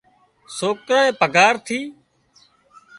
سوڪرئي پگھار ٿِي